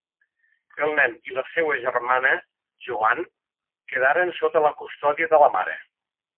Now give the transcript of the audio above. El nen i la seua germana Joan quedaren sota la custòdia de la mare.